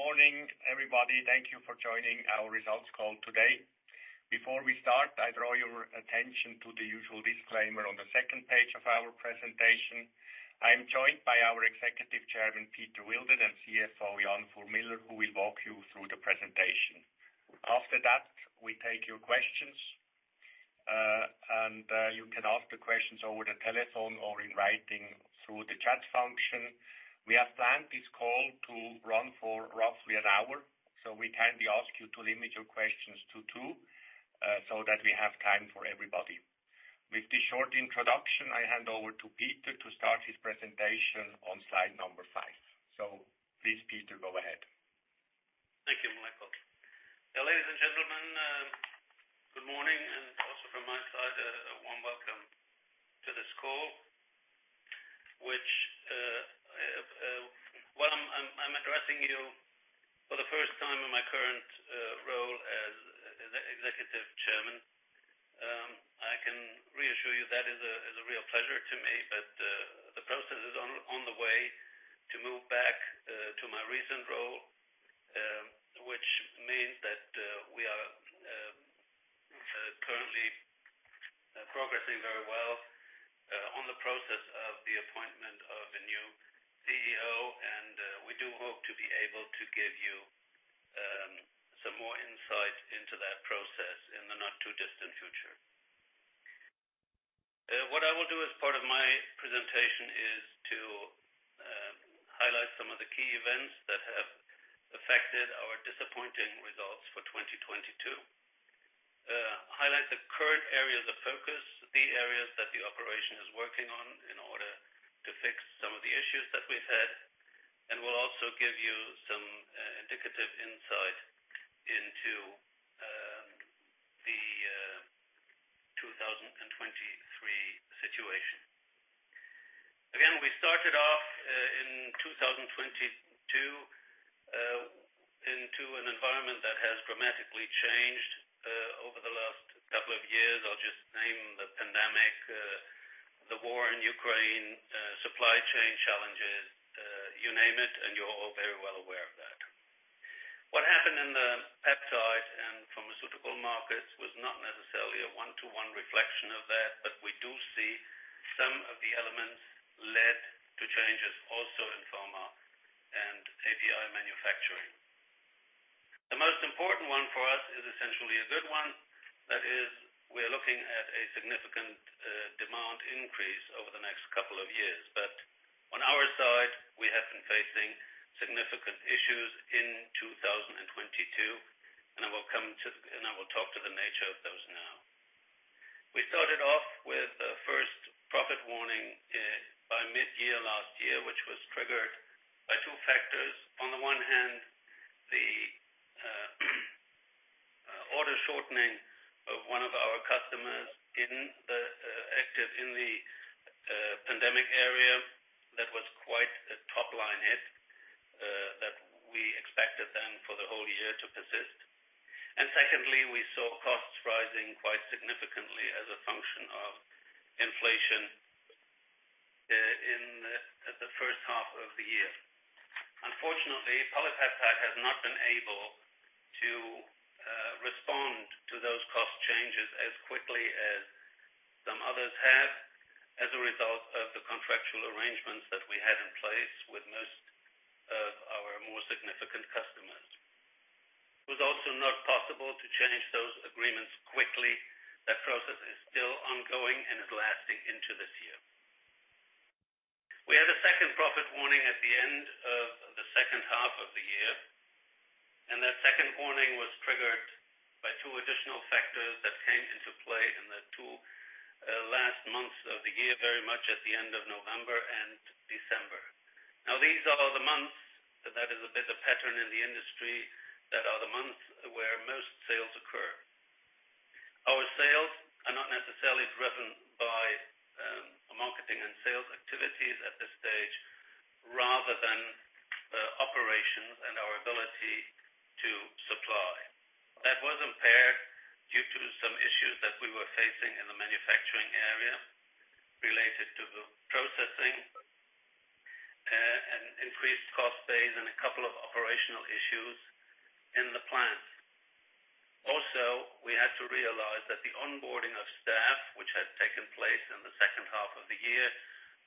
Good morning, everybody. Thank you for joining our results call today. Before we start, I draw your attention to the usual disclaimer on the second page of our presentation. I am joined by our Executive Chairman, Peter Wilden, and CFO, Jan Fuhr Miller, who will walk you through the presentation. After that, we take your questions, and you can ask the questions over the telephone or in writing through the chat function. We have planned this call to run for roughly an hour, so we kindly ask you to limit your questions to two so that we have time for everybody. With this short introduction, I hand over to Peter to start his presentation on slide number five. Please, Peter, go ahead. Thank you, Michael. Ladies and gentlemen, good morning, and also from my side, a warm welcome to this call, which I'm addressing you for the first time in my current role as Ex-Executive Chairman. I can reassure you that is a real pleasure to me, but the process is on the way to move back to my recent role, which means that we are currently progressing very well on the process of the appointment of a new CEO, and we do hope to be able to give you some more insight into that process in the not-too-distant future. What I will do as part of my presentation is to highlight some of the key events that have affected our disappointing results for 2022. Highlight the current areas of focus, the areas that the operation is working on in order to fix some of the issues that we've had, and we'll also give you some indicative insight into the 2023 situation. We started off in 2022 into an environment that has dramatically changed over the last couple of years. I'll just name the pandemic, the war in Ukraine, supply chain challenges, you name it, and you're all very well aware of that. What happened in the peptide and pharmaceutical markets was not necessarily a one-to-one reflection of that, but we do see some of the elements led to changes also in pharma and API manufacturing. The most important one for us is essentially a good one. That is, we are looking at a significant demand increase over the next couple of years. On our side, we have been facing significant issues in 2022, and I will talk to the nature of those now. We started off with the first profit warning by mid-year last year, which was triggered by two factors. On the one hand, the order shortening of one of our customers in the active in the pandemic area. That was quite a top-line hit that we expected then for the whole year to persist. Secondly, we saw costs rising quite significantly as a function of inflation at the first half of the year. Unfortunately, PolyPeptide has not been able to respond to those cost changes as quickly as some others have as a result of the contractual arrangements that we had in place with most of our more significant customers. It was also not possible to change those agreements quickly. That process is still ongoing and is lasting into this year. We had a second profit warning at the end of the second half of the year, and that second warning was triggered by two additional factors that came into play in the two last months of the year, very much at the end of November and December. These are the months, and that is a bit of pattern in the industry, that are the months where most sales occur. Our sales are not necessarily driven by marketing and sales activities at this stage rather than operations and our ability to supply. That was impaired due to some issues that we were facing in the manufacturing area related to the processing and increased cost base and a couple of operational issues in the plant. Also, we had to realize that the onboarding of staff, which had taken place in the second half of the year,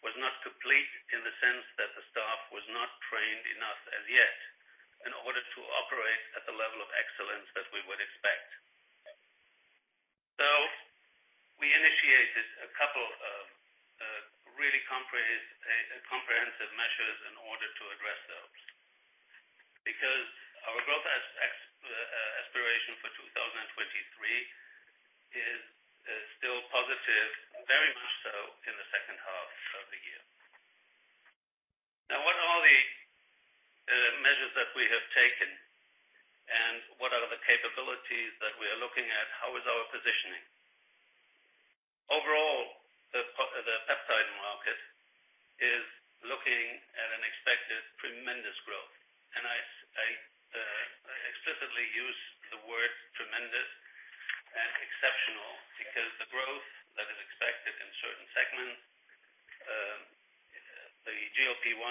was not complete in the sense that the staff was not trained enough as yet in order to operate at the level of excellence as we would expect. We initiated a couple of really comprehensive measures in order to address those. Our growth aspiration for 2023 is still positive, very much so in the second half of the year. Now, what are the measures that we have taken, what are the capabilities that we are looking at? How is our positioning? Overall, the peptide market is looking at an expected tremendous growth. I explicitly use the word tremendous and exceptional because the growth that is expected in certain segments, the GLP-1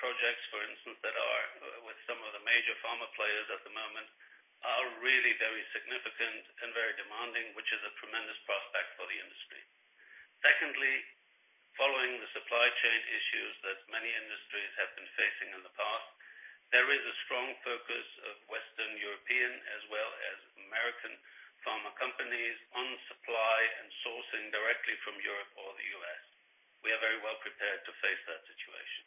projects, for instance, that are with some of the major pharma players at the moment are really very significant and very demanding, which is a tremendous prospect for the industry. Secondly, following the supply chain issues that many industries have been facing in the past, there is a strong focus of Western European as well as American pharma companies on supply and sourcing directly from Europe or the U.S. We are very well prepared to face that situation.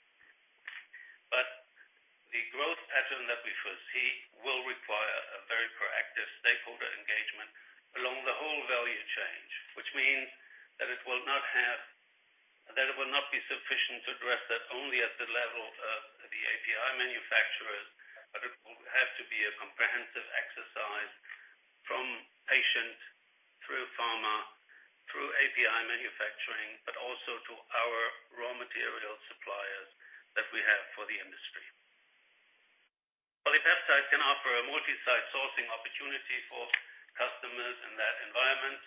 The growth pattern that we foresee will require a very proactive stakeholder engagement along the whole value chain, which means that it will not be sufficient to address that only at the level of the API manufacturers, but it will have to be a comprehensive exercise from patient through pharma, through API manufacturing, but also to our raw material suppliers that we have for the industry. PolyPeptide can offer a multi-site sourcing opportunity for customers in that environment.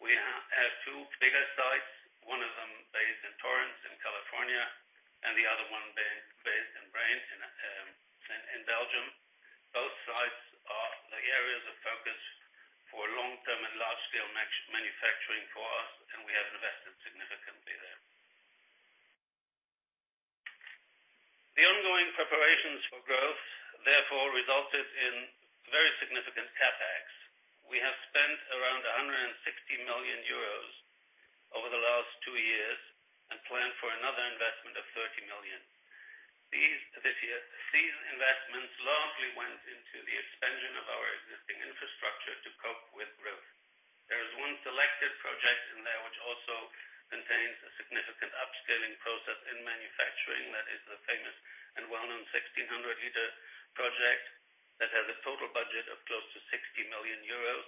We have two bigger sites, one of them based in Torrance in California and the other one based in Braine in Belgium. Both sites are the areas of focus for long-term and large-scale manufacturing for us, and we have invested significantly there. The ongoing preparations for growth therefore resulted in very significant CapEx. We have spent around 160 million euros over the last two years and plan for another investment of 30 million. This year, these investments largely went into the expansion of our existing infrastructure to cope with growth. There is one selected project in there which also contains a significant upscaling process in manufacturing. That is the famous and well-known 1,600 L project that has a total budget of close to 60 million euros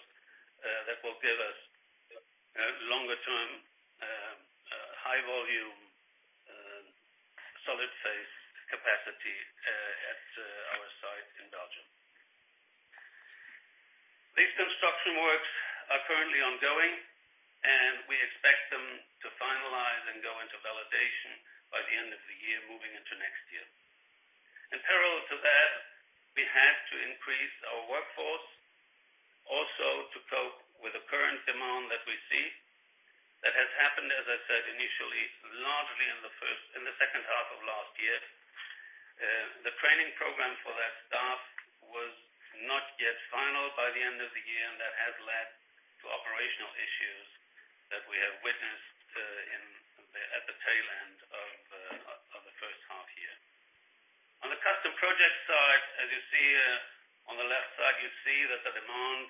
that will give us longer-term high volume solid-phase capacity at our site in Belgium. These construction works are currently ongoing. We expect them to finalize and go into validation by the end of the year, moving into next year. Parallel to that, we had to increase our workforce also to cope with the current demand that we see. That has happened, as I said initially, largely in the second half of last year. The training program for that staff was not yet final by the end of the year, that has led to operational issues that we have witnessed at the tail end of the first half year. On the Custom Projects side, as you see on the left side, you see that the demand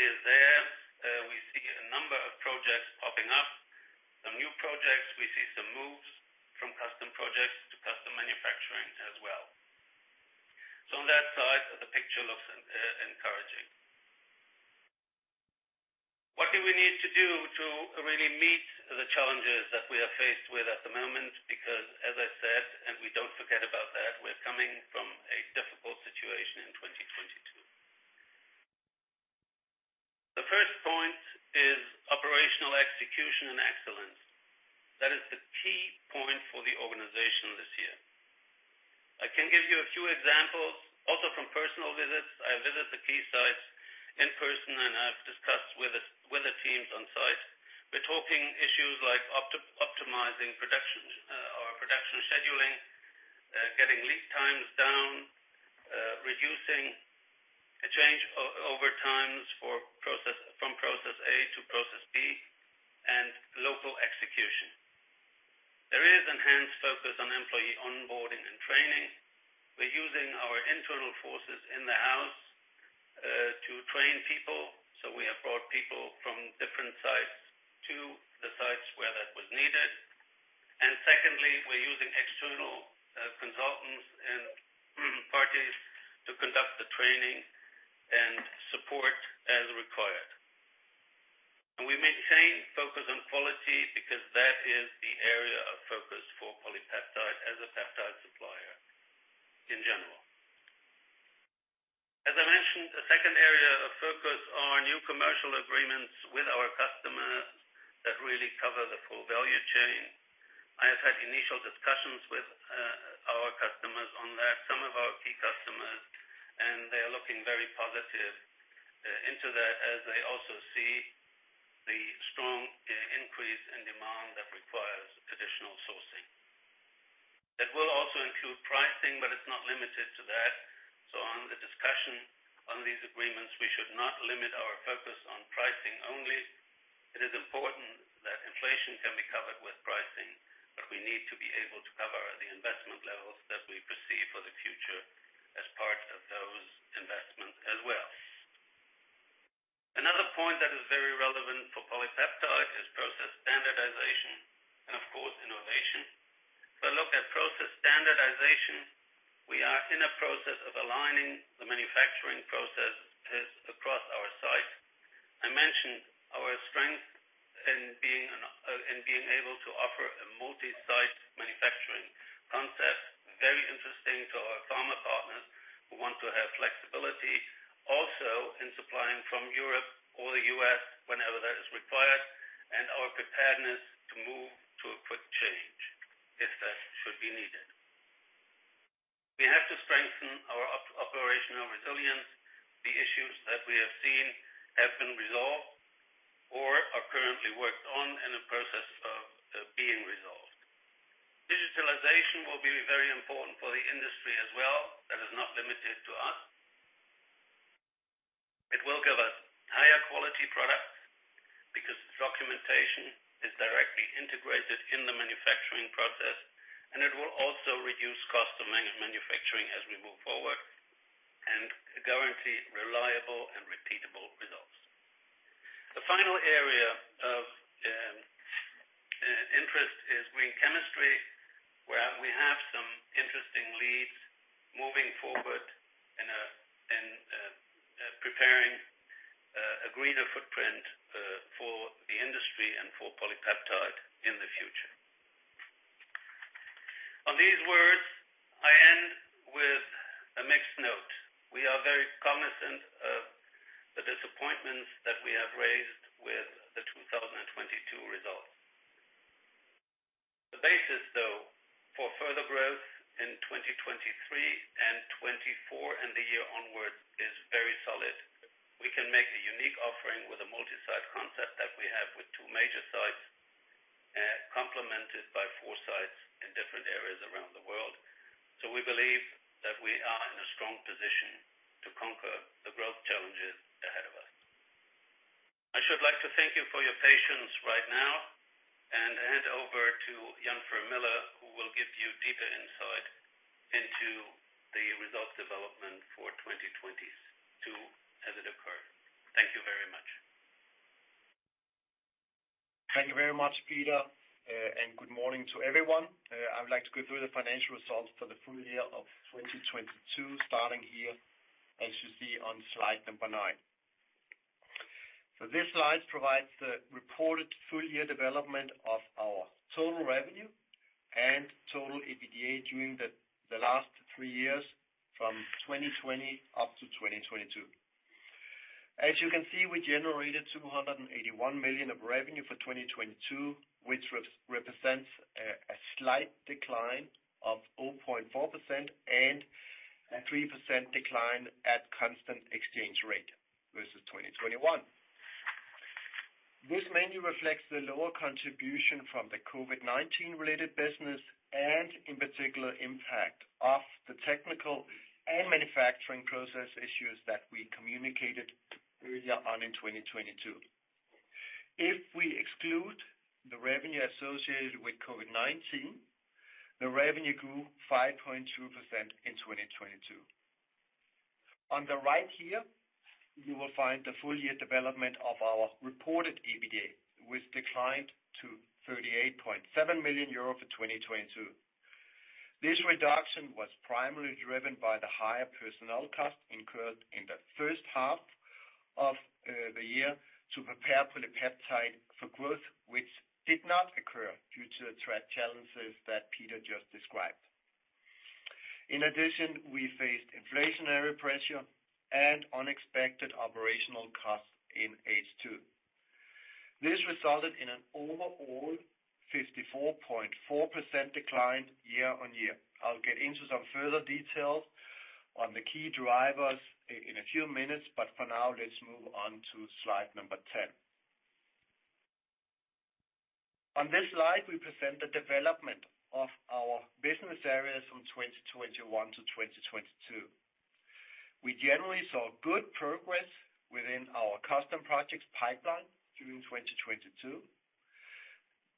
is there. We see a number of projects popping up. Some new projects, we see some moves from Custom Projects to Contract Manufacturing as well. On that side, the picture looks encouraging. What do we need to do to really meet the challenges that we are faced with at the moment? As I said, and we don't forget about that, we're coming from a difficult situation in 2022. The first point is operational execution and excellence. That is the key point for the organization this year. I can give you a few examples, also from personal visits. I visit the key sites in person, and I've discussed with the teams on site. We're talking issues like optimizing productions, or production scheduling, getting lead times down, reducing changeover times from process A to process B, and local execution. There is enhanced focus on employee onboarding and training. We're using our internal forces in the house to train people, we have brought people from different sites to the sites where that was needed. Secondly, we're using external consultants and parties to conduct the training and support as required. We maintain focus on quality because that is the area of focus for PolyPeptide as a peptide supplier in general. As I mentioned, the second area of focus are new commercial agreements with our customers that really cover the full value chain. I have had initial discussions with our customers on that, some of our key customers, and they are looking very positive into that as they also see the strong increase in demand that requires additional sourcing. That will also include pricing, but it's not limited to that. On the discussion on these agreements, we should not limit our focus on pricing only. It is important that inflation can be covered with pricing, but we need to be able to cover the investment levels that we perceive for the future as part of those investments as well. Another point that is very relevant for PolyPeptide is process standardization and of course, innovation. If I look at process standardization, we are in a process of aligning the manufacturing processes across our site. I mentioned our strength in being able to offer a multi-site manufacturing concept. Very interesting to our pharma partners who want to have flexibility also in supplying from Europe or the U.S. whenever that is required, and our preparedness to move to a quick change if that should be needed. We have to strengthen our operational resilience. The issues that we have seen have been resolved or are currently worked on in the process of being resolved. Digitalization will be very important for the industry as well. That is not limited to us. It will give us higher quality product because documentation is directly integrated in the manufacturing process, and it will also reduce cost of manufacturing as we move forward and guarantee reliable and repeatable results. The final area of interest is green chemistry, where we have some interesting leads moving forward in preparing a greener footprint for the industry and for PolyPeptide in the future. On these words, I end with a mixed note. We are very cognizant of the disappointments that we have raised with the 2022 results. The basis though, for further growth in 2023 and 2024 and the year onward is very solid. We can make a unique offering with a multi-site concept that we have with two major sites, complemented by four sites in different areas around the world. We believe that we are in a strong position to conquer the growth challenges ahead of us. I should like to thank you for your patience right now and hand over to Jan Fuhr Miller, who will give you deeper insight into the results development for 2022 as it occurred. Thank you very much. Thank you very much, Peter, and good morning to everyone. I would like to go through the financial results for the full year of 2022, starting here, as you see on slide nine. This slide provides the reported full year development of our total revenue and total EBITDA during the last three years from 2020 up to 2022. As you can see, we generated 281 million of revenue for 2022, which represents a slight decline of 0.4% and 3% decline at constant exchange rate versus 2021. This mainly reflects the lower contribution from the COVID-19 related business and in particular impact of the technical and manufacturing process issues that we communicated earlier on in 2022. If we exclude the revenue associated with COVID-19, the revenue grew 5.2% in 2022. On the right here, you will find the full year development of our reported EBITDA, which declined to 38.7 million euro for 2022. This reduction was primarily driven by the higher personnel costs incurred in the first half of the year to prepare for the peptide for growth, which did not occur due to the threat challenges that Peter just described. In addition, we faced inflationary pressure and unexpected operational costs in H2. This resulted in an overall 54.4% decline year-over-year. I'll get into some further details on the key drivers in a few minutes, for now, let's move on to slide number 10. On this slide, we present the development of our business areas from 2021-2022. We generally saw good progress within our Custom Projects pipeline during 2022.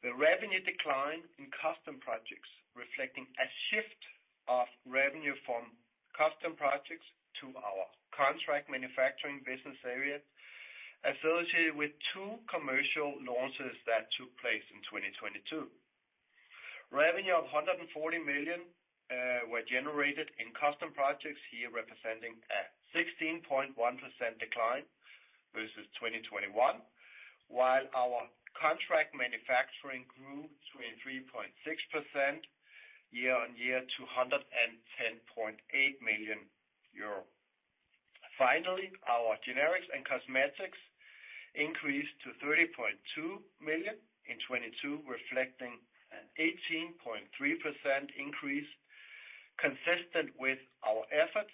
The revenue decline in Custom Projects reflecting a shift of revenue from Custom Projects to our Contract Manufacturing business area associated with two commercial launches that took place in 2022. Revenue of 140 million were generated in Custom Projects here representing a 16.1% decline versus 2021. While our Contract Manufacturing grew 3.6% year-on-year to 110.8 million euro. Finally, our Generics and Cosmetics increased to 30.2 million in 2022, reflecting an 18.3% increase consistent with our efforts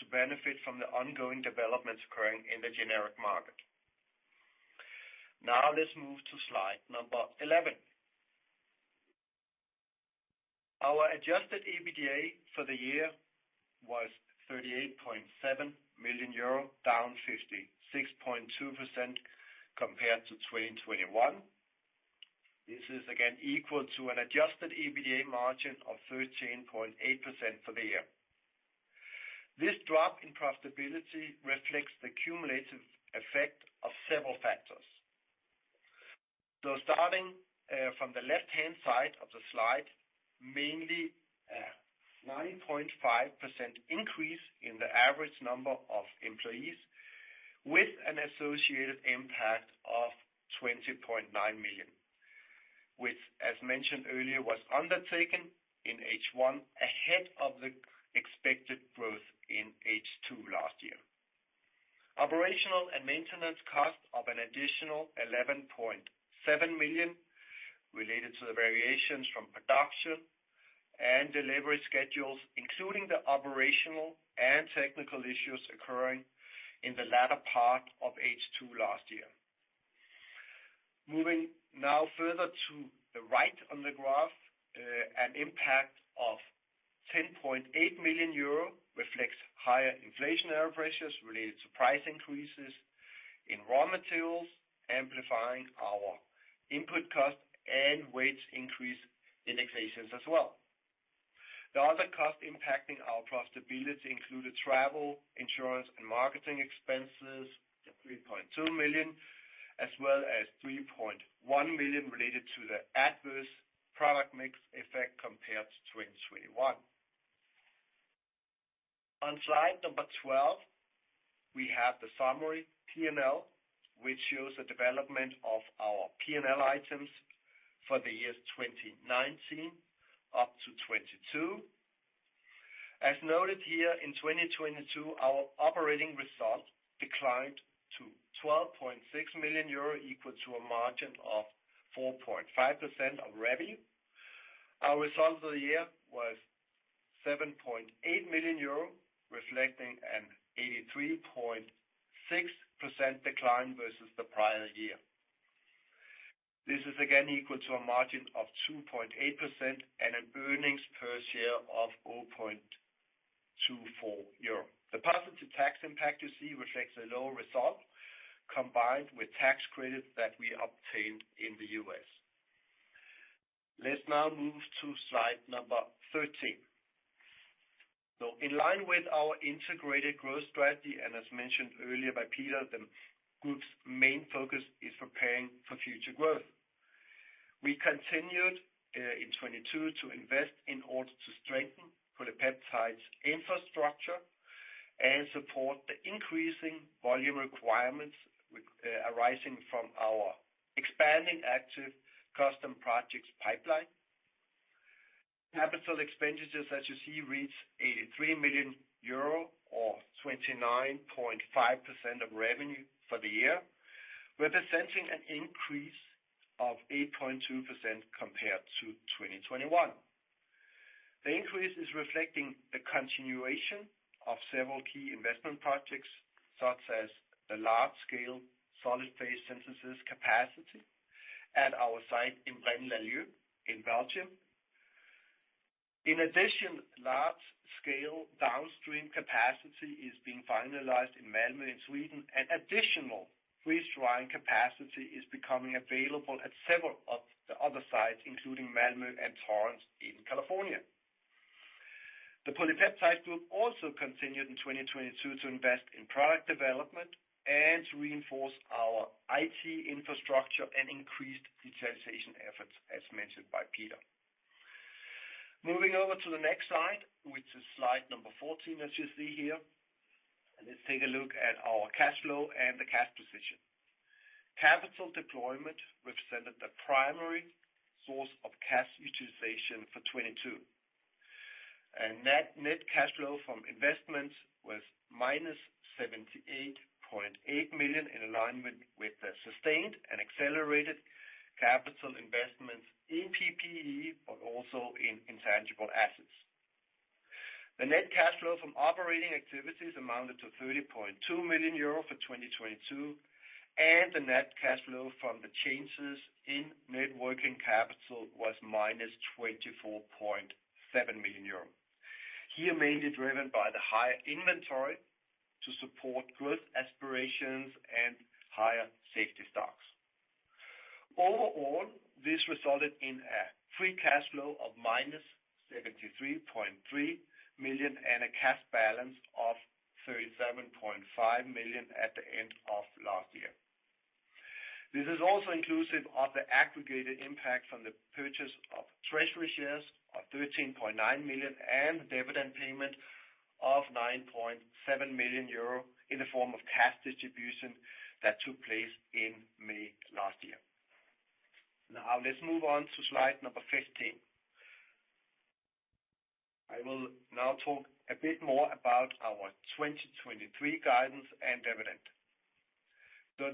to benefit from the ongoing developments occurring in the generic market. Now let's move to slide number 11. Our adjusted EBITDA for the year was 38.7 million euro, down 56.2% compared to 2021. This is again equal to an adjusted EBITDA margin of 13.8% for the year. This drop in profitability reflects the cumulative effect of several factors. Starting from the left-hand side of the slide, mainly a 9.5% increase in the average number of employees with an associated impact of 20.9 million, which as mentioned earlier, was undertaken in H1 ahead of the expected growth in H2 last year. Operational and maintenance costs of an additional 11.7 million related to the variations from production and delivery schedules, including the operational and technical issues occurring in the latter part of H2 last year. Moving now further to the right on the graph, an impact of 10.8 million euro reflects higher inflationary pressures related to price increases in raw materials, amplifying our input costs and wage increase indications as well. The other cost impacting our profitability included travel, insurance and marketing expenses, the 3.2 million, as well as 3.1 million related to the adverse product mix effect compared to 2021. On slide number 12, we have the summary P&L, which shows the development of our P&L items for the years 2019 up to 2022. As noted here, in 2022, our operating results declined to 12.6 million euro, equal to a margin of 4.5% of revenue. Our results of the year was 7.8 million euro, reflecting an 83.6% decline versus the prior year. This is again equal to a margin of 2.8% and an earnings per share of 0.24 euro. The positive tax impact you see reflects a lower result combined with tax credits that we obtained in the U.S. Let's now move to slide number 13. In line with our integrated growth strategy, and as mentioned earlier by Peter, the group's main focus is preparing for future growth. We continued in 2022 to invest in order to strengthen PolyPeptide's infrastructure and support the increasing volume requirements with arising from our expanding active Custom Projects pipeline. Capital expenditures, as you see, reached 83 million euro or 29.5% of revenue for the year, representing an increase of 8.2% compared to 2021. The increase is reflecting the continuation of several key investment projects, such as the large-scale solid-phase peptide synthesis capacity at our site in Braine-l'Alleud in Belgium. Large-scale downstream capacity is being finalized in Malmö in Sweden, and additional freeze drying capacity is becoming available at several of the other sites, including Malmö and Torrance in California. The PolyPeptide Group also continued in 2022 to invest in product development and to reinforce our IT infrastructure and increased digitalization efforts, as mentioned by Peter. Moving over to the next slide, which is slide number 14, as you see here. Let's take a look at our cash flow and the cash position. Capital deployment represented the primary source of cash utilization for 2022. Net, net cash flow from investments was -78.8 million in alignment with the sustained and accelerated capital investments in PPE, but also in intangible assets. The net cash flow from operating activities amounted to 30.2 million euro for 2022. The net cash flow from the changes in net working capital was -24.7 million euros. Here, mainly driven by the higher inventory to support growth aspirations and higher safety stocks. Overall, this resulted in a free cash flow of -73.3 million and a cash balance of 37.5 million at the end of last year. This is also inclusive of the aggregated impact from the purchase of treasury shares of 13.9 million and dividend payment of 9.7 million euro in the form of cash distribution that took place in May last year. Let's move on to slide number 15. I will now talk a bit more about our 2023 guidance and dividend.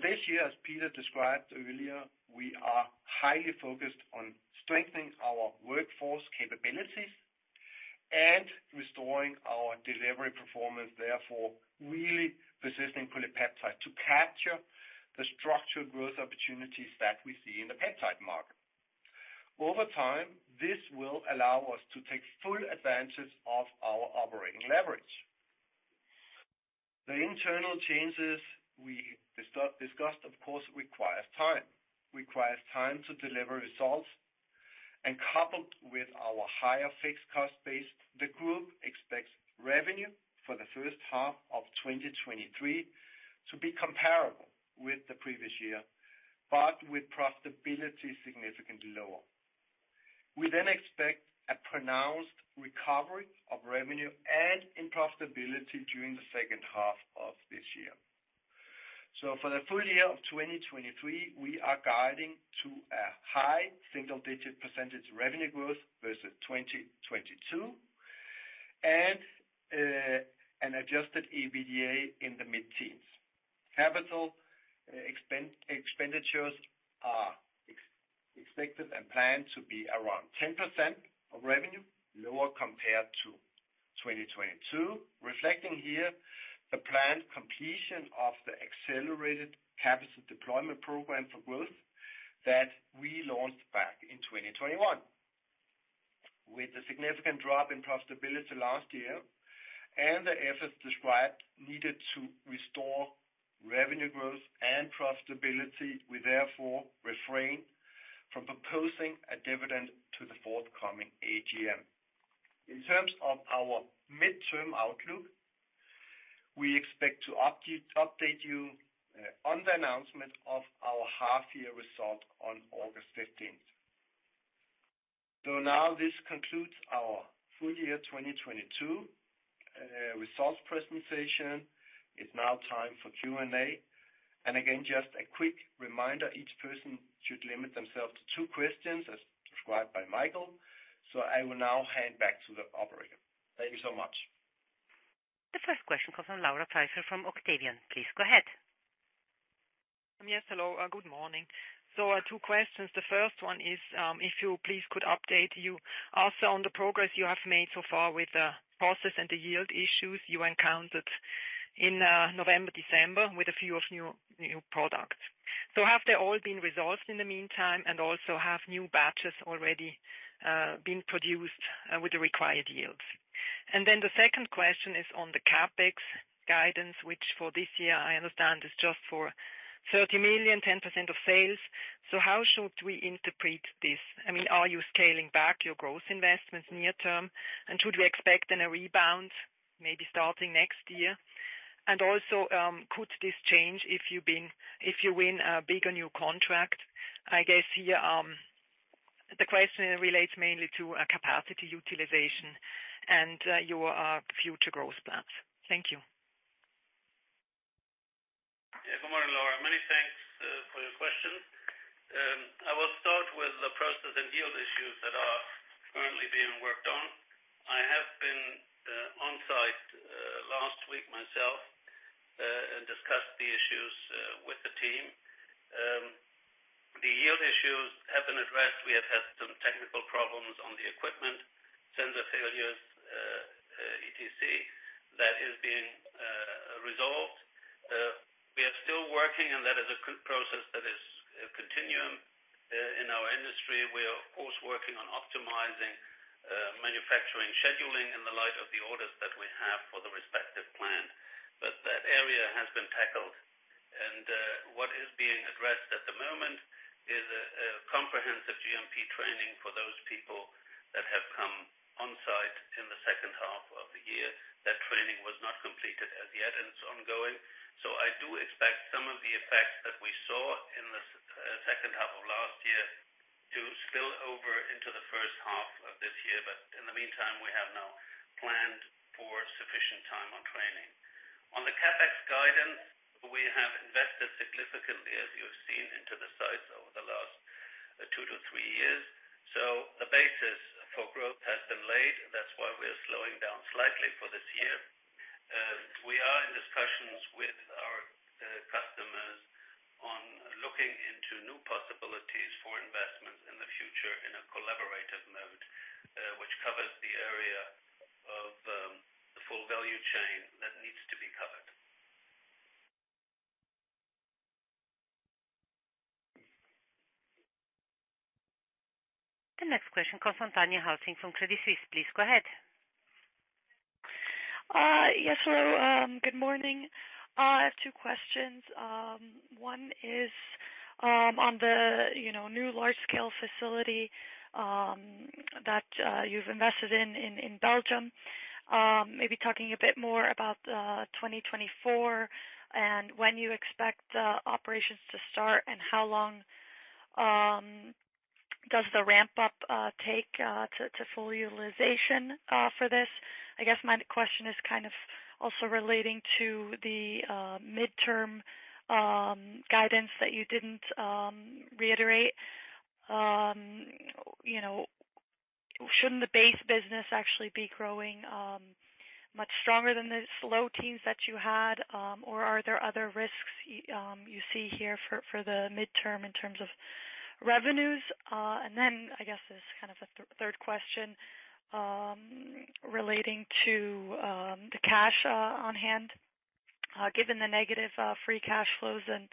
This year, as Peter described earlier, we are highly focused on strengthening our workforce capabilities and restoring our delivery performance. Really positioning PolyPeptide to capture the structured growth opportunities that we see in the peptide market. This will allow us to take full advantage of our operating leverage. The internal changes we discussed, of course, requires time to deliver results. Coupled with our higher fixed cost base, the group expects revenue for the first half of 2023 to be comparable with the previous year, but with profitability significantly lower. We expect a pronounced recovery of revenue and in profitability during the second half of this year. For the full year of 2023, we are guiding to a high single-digit percentage revenue growth versus 2022 and an adjusted EBITDA in the mid-teens. Capital expenditures are expected and planned to be around 10% of revenue lower compared to 2022, reflecting here the planned completion of the accelerated capital deployment program for growth that we launched back in 2021. With the significant drop in profitability last year and the efforts described needed to restore revenue growth and profitability, we therefore refrain from proposing a dividend to the forthcoming AGM. In terms of our midterm outlook, we expect to update you on the announcement of our half-year results on August 15th. Now this concludes our full year 2022 results presentation. It's now time for Q&A. Again, just a quick reminder, each person should limit themselves to two questions, as described by Michael. I will now hand back to the operator. Thank you so much. The first question comes from Laura Pfeiffer from Octavian. Please go ahead. Yes, hello. Good morning. Two questions. The first one is, if you please could update you also on the progress you have made so far with the process and the yield issues you encountered in November, December with a few of new products? Have they all been resolved in the meantime, and also have new batches already been produced with the required yields? The second question is on the CapEx guidance, which for this year I understand is just for 30 million, 10% of sales. How should we interpret this? I mean, are you scaling back your growth investments near term? Should we expect then a rebound maybe starting next year? Also, could this change if you win a bigger new contract? I guess here, the question relates mainly to capacity utilization and your future growth plans. Thank you. Good morning, Laura. Many thanks for your question. I will start with the process and yield issues that are currently being worked on. I have been on site last week myself and discussed the issues with the team. The yield issues have been addressed. We have had some technical problems on the equipment, sensor failures, etc. That is being resolved. We are still working, and that is a process that is a continuum in our industry. We are of course working on optimizing manufacturing scheduling in the light of the orders that we have for the respective plan. That area has been tackled, and what is being addressed at the moment is a comprehensive GMP training for those people that have come on site in the second half of the year. That training was not completed as yet, and it's ongoing. I do expect some of the effects that we saw in the second half of last year to spill over into the first half of this year. In the meantime, we have now planned for sufficient time on training. On the CapEx guidance, we have invested significantly, as you have seen, into the sites over the last two to three years. The basis for growth has been laid. That's why we're slowing down slightly for this year. We are in discussions with our customers on looking into new possibilities for investment in the future in a collaborative mode, which covers the area of the full value chain that needs to be covered. The next question comes from Tatjana Halse from Credit Suisse. Please go ahead. Yes. Hello, good morning. I have two questions. One is on the, you know, new large scale facility that you've invested in Belgium. Maybe talking a bit more about 2024 and when you expect operations to start and how long does the ramp up take to full utilization for this? I guess my question is kind of also relating to the midterm guidance that you didn't reiterate. You know, shouldn't the base business actually be growing much stronger than the slow teens that you had? Or are there other risks you see here for the midterm in terms of revenues? I guess as kind of a third question, relating to the cash on hand, given the negative free cash flows and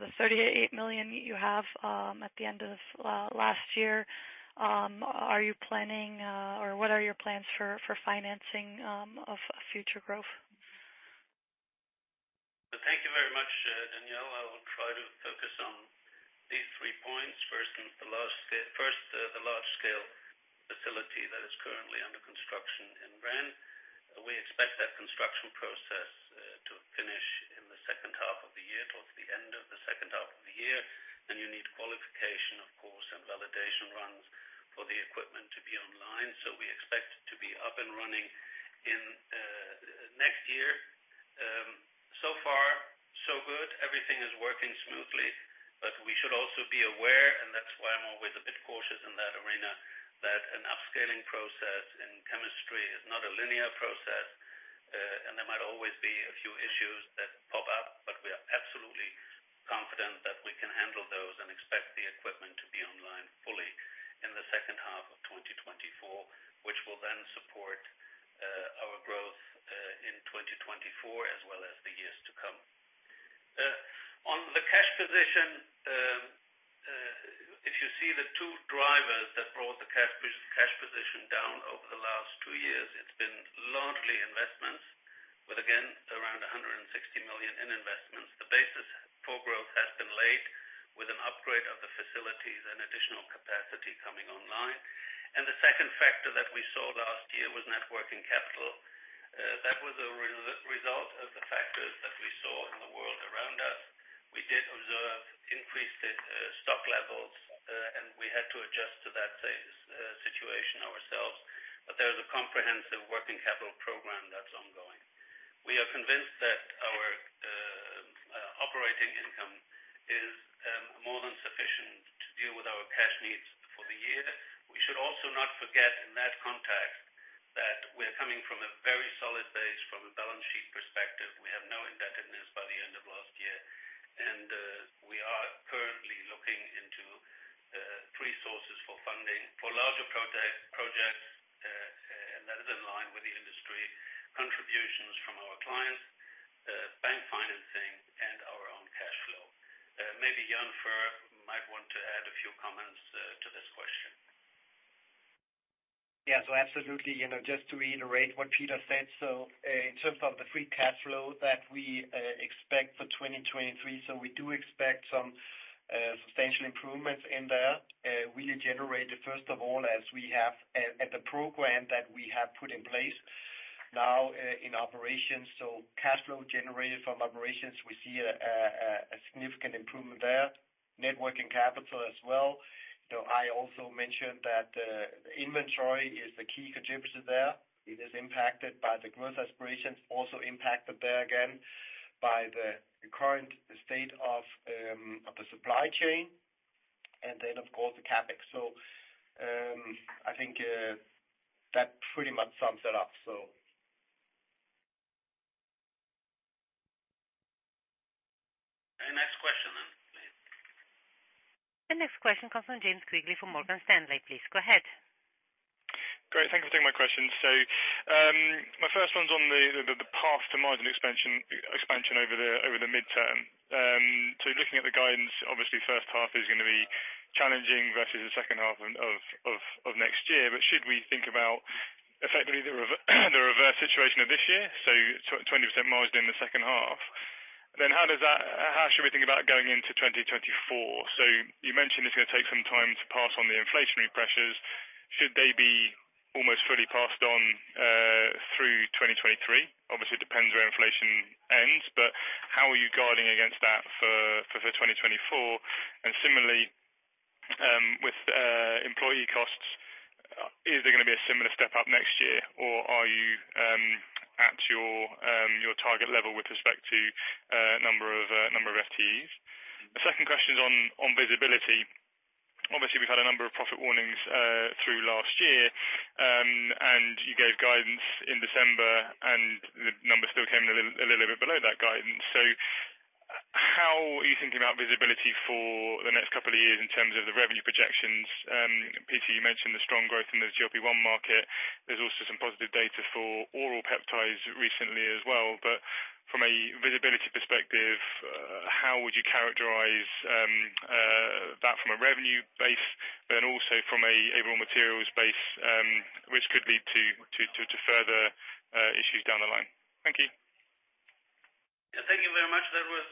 the 38 million you have at the end of last year, are you planning or what are your plans for financing of future growth? Tatjana, I will try to focus on these three points. First, the large-scale facility that is currently under construction in Braine. We expect that construction process to finish in the second half of the year towards the end of the second half of the year. You need qualification, of course, and validation runs for the equipment to be online. We expect to be up and running in next year. So far so good. Everything is working smoothly. We should also be aware, and that's why I'm always a bit cautious in that arena, that an upscaling process in chemistry is not a linear process, there might always be a few issues that pop up, but we are absolutely confident that we can handle those and expect the equipment to be online fully in the second half of 2024, which will then support our growth in 2024 as well as the years to come. On the cash position, if you see the two drivers that brought the cash position down over the last two years, it's been largely investments with, again, around 160 million in investments. The basis for growth has been laid with an upgrade of the facilities and additional capacity coming online. The second factor that we saw last year was net working capital. That was a result of the factors that we saw in the world around us. We did observe increased stock levels, and we had to adjust to that situation ourselves. There is a comprehensive working capital program that's ongoing. We are convinced that our operating income is more than sufficient to deal with our cash needs for the year. We should also not forget in that context that we're coming from a very solid base from a balance sheet perspective. We have no indebtedness by the end of last year. We are currently looking into three sources for funding for larger projects, and that is in line with the industry, contributions from our clients, bank financing, and our own cash flow. Maybe Jan Fuhr might want to add a few comments to this question. Absolutely. You know, just to reiterate what Peter said, in terms of the free cash flow that we expect for 2023, we do expect some substantial improvements in there. We generate, first of all, as we have at the program that we have put in place now, in operations. Cash flow generated from operations, we see a significant improvement there. Net working capital as well. You know, I also mentioned that inventory is the key contributor there. It is impacted by the growth aspirations, also impacted there again by the current state of the supply chain and then of course the CapEx. I think that pretty much sums it up. Next question then, please. The next question comes from James Quigley from Morgan Stanley, please go ahead. Great. Thank you for taking my question. My first one's on the path to margin expansion over the midterm. Looking at the guidance, obviously first half is gonna be challenging versus the second half of next year. Should we think about effectively the reverse situation of this year, so 20% margin in the second half? How should we think about going into 2024? You mentioned it's gonna take some time to pass on the inflationary pressures. Should they be almost fully passed on through 2023? Obviously, it depends where inflation ends, but how are you guarding against that for 2024? Similarly, with employee costs, is there gonna be a similar step up next year, or are you at your target level with respect to number of FTEs? The second question is on visibility. Obviously, we've had a number of profit warnings through last year. You gave guidance in December, and the numbers still came a little bit below that guidance. How are you thinking about visibility for the next couple of years in terms of the revenue projections? Peter, you mentioned the strong growth in the GLP-1 market. There's also some positive data for oral peptides recently as well. From a visibility perspective, how would you characterize that from a revenue base but also from a raw materials base, which could lead to further issues down the line? Thank you. Thank you very much. That was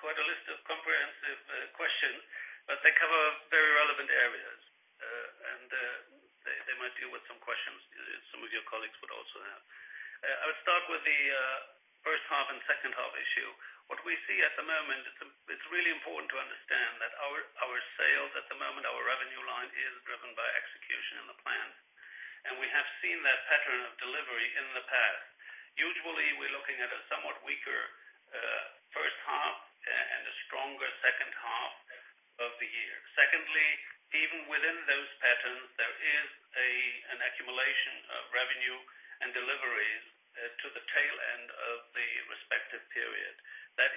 quite a list of comprehensive questions, but they cover very relevant areas. They might deal with some questions some of your colleagues would also have. I would start with the first half and second half issue. What we see at the moment, it's really important to understand that our sales at the moment, our revenue line is driven by execution in the plant. We have seen that pattern of delivery in the past. Usually, we're looking at a somewhat weaker first half and a stronger second half of the year. Secondly, even within those patterns, there is an accumulation of revenue and deliveries to the tail end of the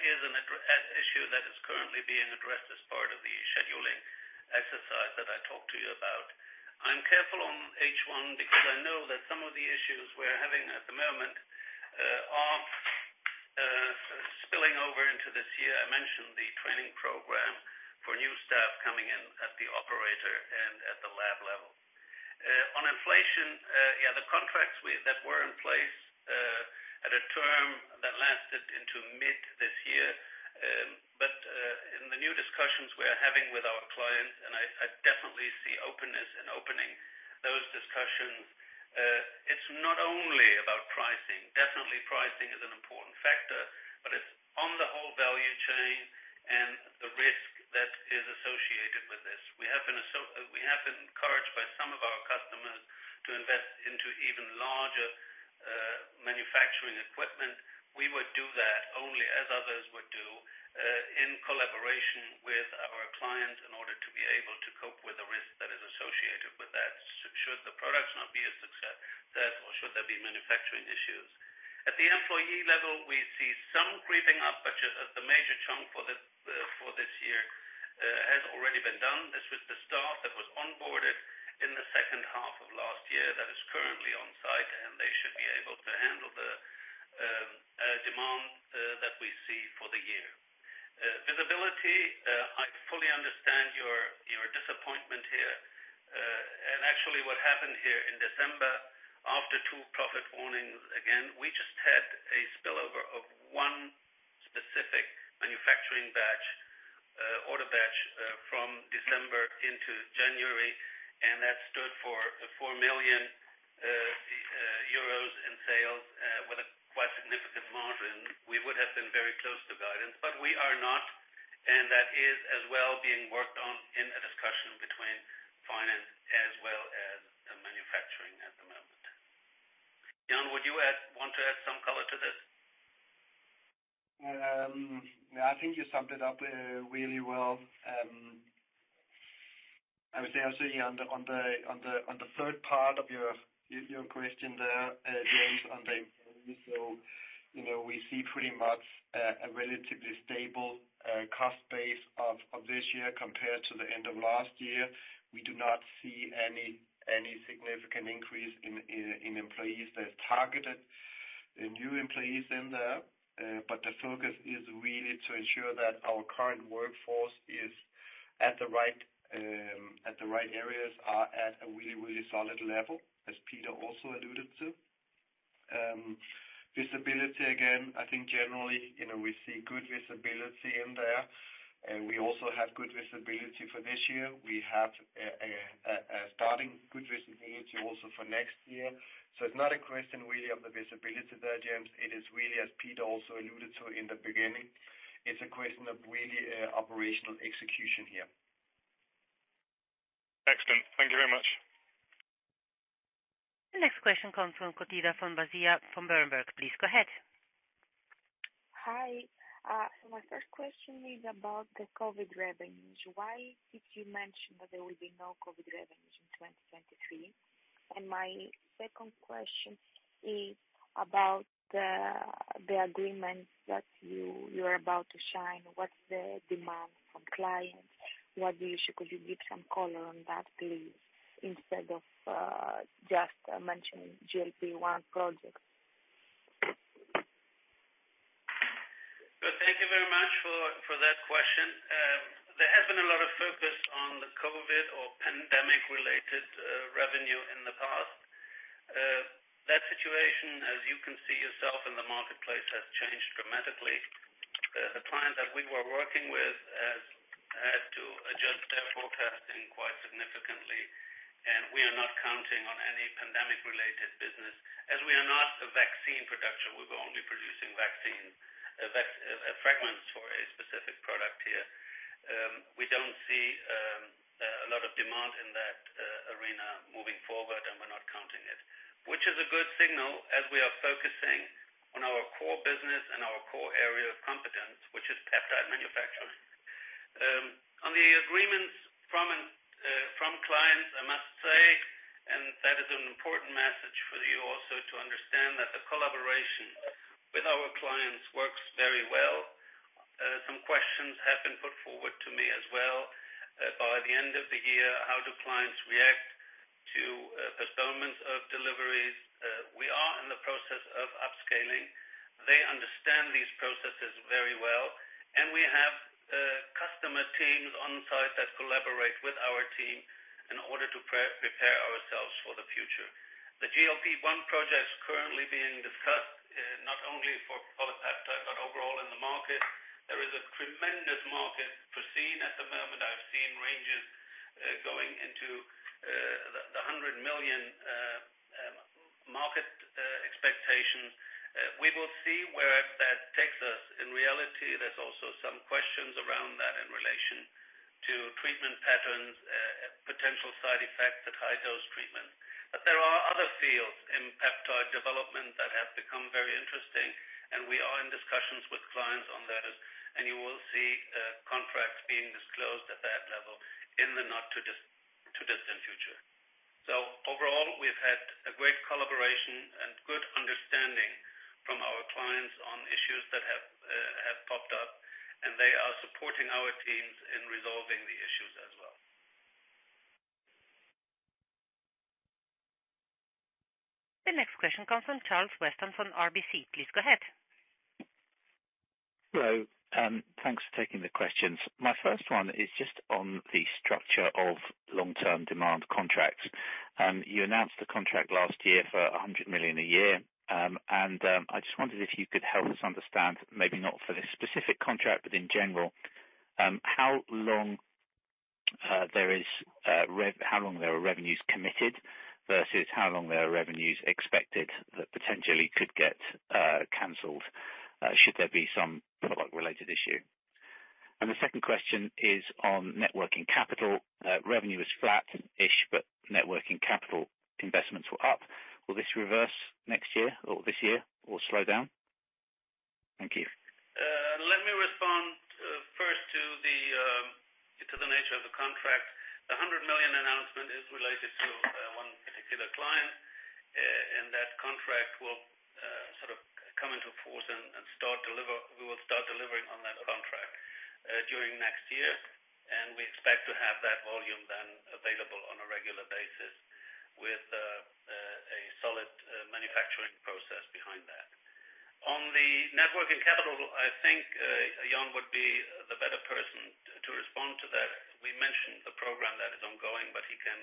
respective period. That is an issue that is currently being addressed as part of the scheduling exercise that I talked to you about. I'm careful on H1 because I know that some of the issues we're having at the moment, are spilling over into this year. I mentioned the training program for new staff coming in at the operator and at the lab level. On inflation, yeah, the contracts that were in place, had a term that lasted into mid this year. In the new discussions we are having with our clients, and I definitely see openness and opening those discussions, it's not only about pricing. Definitely pricing is an important factor, but it's on the whole value chain and the risk that is associated with this. We have been encouraged by some of our customers to invest into even larger, manufacturing equipment. We would do that only as others would do, in collaboration with our clients in order to be able to cope with the risk that is associated with that should the products not be a success or should there be manufacturing issues. At the employee level, we see some creeping up, but the major chunk for this year has already been done. This was the staff that was onboarded in the second half of last year that is currently on site, and they should be able to handle the demand that we see for the year. Visibility, I fully understand your disappointment here. Actually what happened here in December after two profit warnings again, we just had a spillover of one specific manufacturing batch, order batch, from December into January, and that stood for 4 million euros in sales, with a quite significant margin. We would have been very close to guidance, but we are not, and that is as well being worked on in a discussion between finance as well as the manufacturing at the moment. Jan, want to add some color to this? I think you summed it up really well. I would say also on the third part of your question there, James, on the employees. You know, we see pretty much a relatively stable cost base of this year compared to the end of last year. We do not see any significant increase in employees. There's targeted new employees in there, but the focus is really to ensure that our current workforce is at the right areas are at a really solid level, as Peter also alluded to. Visibility, again, I think generally, you know, we see good visibility in there, and we also have good visibility for this year. We have a starting good visibility also for next year. It's not a question really of the visibility there, James. It is really, as Peter also alluded to in the beginning, it's a question of really, operational execution here. Excellent. Thank you very much. The next question comes from Sebastian Bray from Berenberg. Please go ahead. Hi. My first question is about the COVID revenues. Why did you mention that there will be no COVID revenues in 2023? My second question is about the agreement that you're about to sign. What's the demand from clients? Could you give some color on that, please, instead of just mentioning GLP-1 projects? Thank you very much for that question. There has been a lot of focus on the COVID or pandemic-related revenue in the past. That situation, as you can see yourself in the marketplace, has changed dramatically. The clients that we were working with has had to adjust their forecasting quite significantly. We are not counting on any pandemic-related business as we are not a vaccine production. We were only producing vaccine fragments for a specific product here. We don't see a lot of demand in that arena moving forward, and we're not counting it, which is a good signal as we are focusing on our core business and our core area of competence, which is peptide manufacturing. On the agreements from clients, I must say, that is an important message for you also to understand that the collaboration with our clients works very well. Some questions have been put forward to me as well. By the end of the year, how do clients react to postponements of deliveries? We are in the process of upscaling. They understand these processes very well, we have customer teams on site that collaborate with our team in order to pre-prepare ourselves for the future. The GLP-1 project is currently being discussed, not only for PolyPeptide, but overall in the market. There is a tremendous market foreseen at the moment. I've seen ranges going into the 100 million market expectations. We will see where that takes us. In reality, there's also some questions around that in relation to treatment patterns, potential side effects at high-dose treatment. There are other fields in peptide development that have become very interesting, and we are in discussions with clients on that, and you will see, contracts being disclosed at that level in the not too distant future. Overall, we've had a great collaboration and good understanding from our clients on issues that have popped up, and they are supporting our teams in resolving the issues as well. The next question comes from Charles Weston from RBC. Please go ahead. Hello. Thanks for taking the questions. My first one is just on the structure of long-term demand contracts. You announced the contract last year for 100 million a year. I just wondered if you could help us understand, maybe not for this specific contract, but in general, how long there are revenues committed versus how long there are revenues expected that potentially could get canceled should there be some product-related issue. The second question is on net working capital. Revenue is flat-ish, but net working capital investments were up. Will this reverse next year or this year or slow down? Thank you. Let me respond first to the nature of the contract. The 100 million announcement is related to one particular client. That contract will sort of come into force and we will start delivering on that contract during next year, and we expect to have that volume then available on a regular basis with a solid manufacturing process behind that. On the net working capital, I think Jan would be the better person to respond to that. We mentioned the program that is ongoing, but he can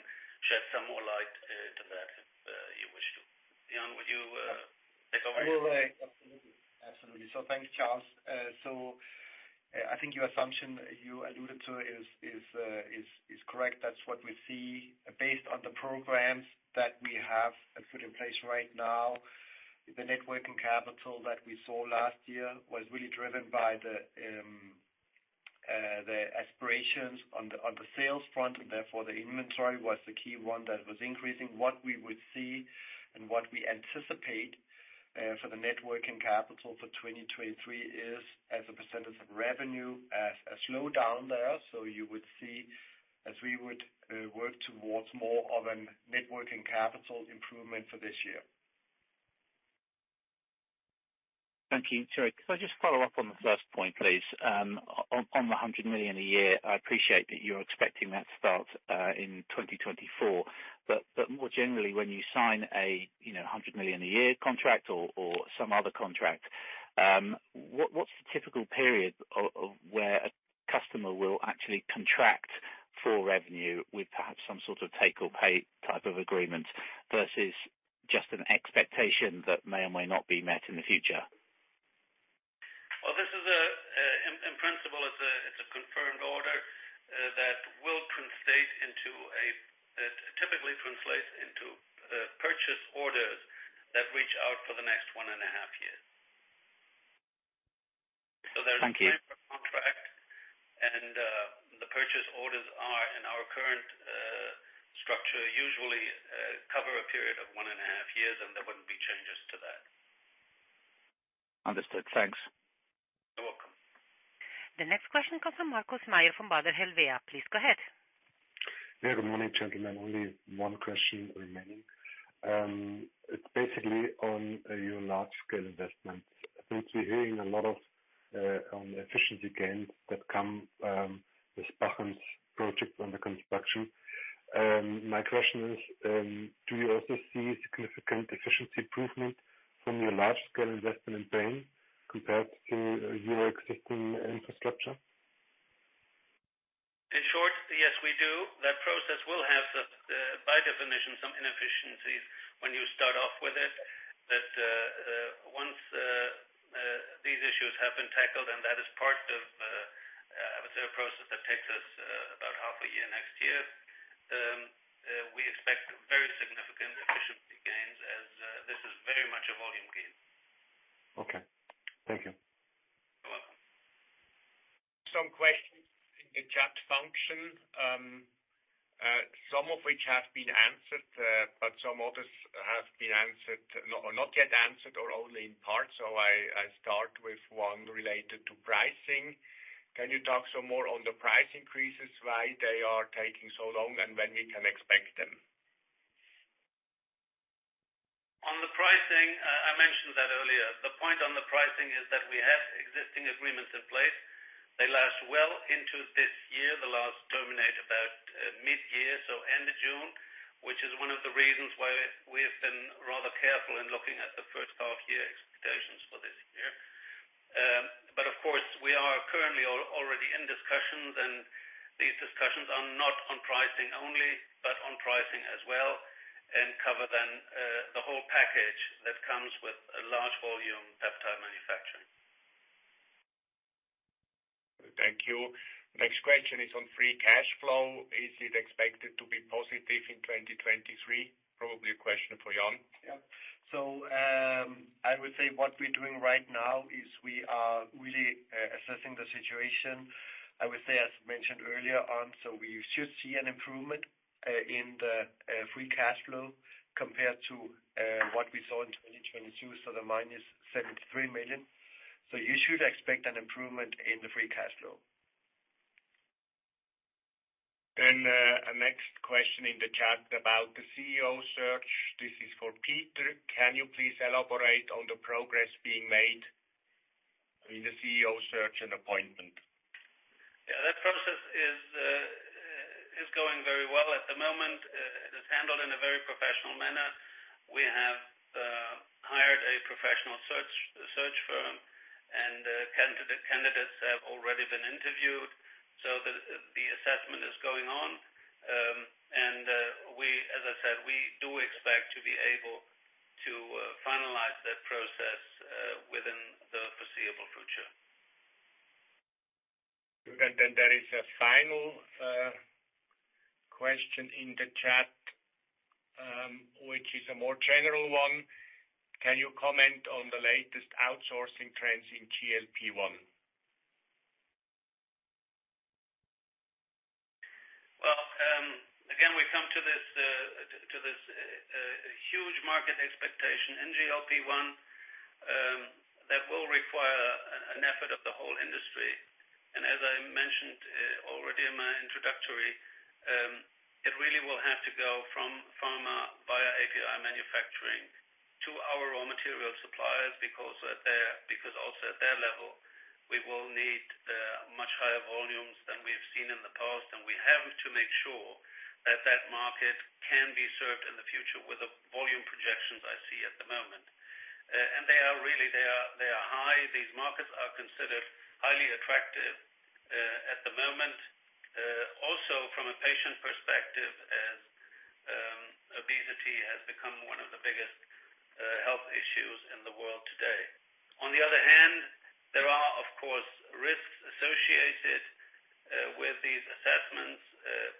shed some more light to that if you wish to. Jan, would you take over? I will, absolutely. Absolutely. Thanks, Charles. I think your assumption you alluded to is correct. That's what we see. Based on the programs that we have put in place right now, the net working capital that we saw last year was really driven by the aspirations on the sales front, and therefore, the inventory was the key one that was increasing. What we would see and what we anticipate for the net working capital for 2023 is as a percentage of revenue, as a slowdown there. You would see as we would work towards more of a net working capital improvement for this year. Thank you. Sorry, could I just follow up on the first point, please? On the 100 million a year, I appreciate that you're expecting that to start in 2024, but more generally, when you sign a, you know, 100 million a year contract or some other contract, what's the typical period of where a customer will actually contract for revenue with perhaps some sort of take-or-pay type of agreement versus just an expectation that may or may not be met in the future? Well, this is a, in principle, it's a, it's a confirmed order, typically translates into purchase orders that reach out for the next one and a half years. Thank you. There's a contract and, the purchase orders are in our current structure, usually, cover a period of 1.5 years, and there wouldn't be changes to that. Understood. Thanks. You're welcome. The next question comes from Markus Mayer from Baader Helvea. Please go ahead. Yeah. Good morning, gentlemen. Only one question remaining. It's basically on your large scale investments. I think we're hearing a lot of on efficiency gains that come with Braine-l'Alleud project under construction. My question is, do you also see significant efficiency improvement from your large scale investment in Spain compared to your existing infrastructure? In short, yes, we do. That process will have some, by definition, some inefficiencies when you start off with it. Once, these issues have been tackled, and that is part of, I would say, a process that takes us, about half a year next year, we expect very significant efficiency gains as, this is very much a volume gain. Okay. Thank you. You're welcome. Some questions in the chat function, some of which have been answered, but some others have not yet answered or only in part. I start with one related to pricing. Can you talk some more on the price increases, why they are taking so long, and when we can expect them? On the pricing, I mentioned that earlier. The point on the pricing is that we have existing agreements in place. They last well into this year. The last terminate about mid-year, so end of June, which is one of the reasons why we have been rather careful in looking at the first half year expectations for this year. Of course, we are currently already in discussions, and these discussions are not on pricing only, but on pricing as well, and cover then the whole package that comes with a large volume peptide manufacturing. Thank you. Next question is on free cash flow. Is it expected to be positive in 2023? Probably a question for Jan. I would say what we're doing right now is we are really assessing the situation. I would say, as mentioned earlier on, so we should see an improvement in the free cash flow compared to what we saw in 2022, so the -73 million. You should expect an improvement in the free cash flow. Next question in the chat about the CEO search. This is for Peter. Can you please elaborate on the progress being made in the CEO search and appointment? Yeah, that process is going very well at the moment. It is handled in a very professional manner. We have hired a professional search firm, and candidates have already been interviewed, so the assessment is going on. We, as I said, we do expect to be able to finalize that process within the foreseeable future. Good. There is a final question in the chat, which is a more general one. Can you comment on the latest outsourcing trends in GLP-1? Again, we come to this, to this, huge market expectation in GLP-1 that will require an effort of the whole industry. As I mentioned already in my introductory, it really will have to go from pharma via API manufacturing to our raw material suppliers because also at their level we will need the much higher volumes than we have seen in the past. We have to make sure that that market can be served in the future with the volume projections I see at the moment. They are really high. These markets are considered highly attractive at the moment. Also from a patient perspective as obesity has become one of the biggest health issues in the world today. On the other hand, there are of course risks associated with these assessments.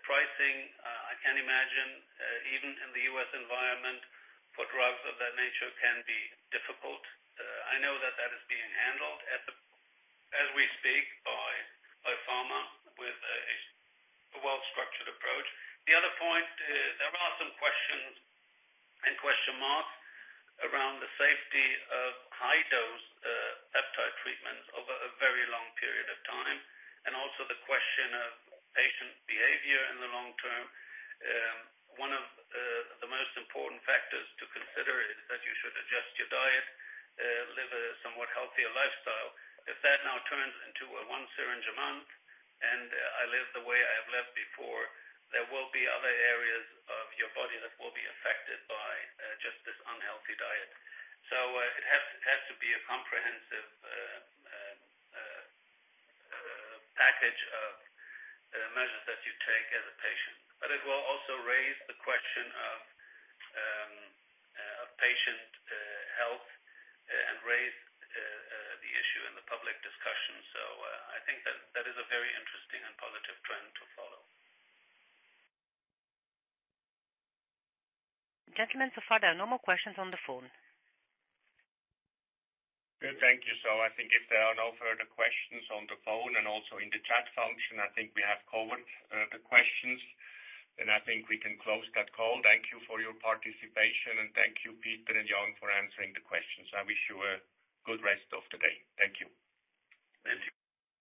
Pricing, I can imagine, even in the U.S. environment for drugs of that nature can be difficult. I know that that is being handled as we speak by pharma with a well-structured approach. The other point is there are some questions and question marks around the safety of high-dose peptide treatments over a very long period of time, and also the question of patient behavior in the long term. One of the most important factors to consider is that you should adjust your diet, live a somewhat healthier lifestyle. If that now turns into a one syringe a month and I live the way I have lived before, there will be other areas of your body that will be affected by just this unhealthy diet. It has to be a comprehensive package of measures that you take as a patient. It will also raise the question of patient health and raise the issue in the public discussion. I think that that is a very interesting and positive trend to follow. Gentlemen, so far there are no more questions on the phone. Good. Thank you. I think if there are no further questions on the phone and also in the chat function, I think we have covered the questions, I think we can close that call. Thank you for your participation and thank you, Peter and Jan, for answering the questions. I wish you a good rest of the day. Thank you. Thank you.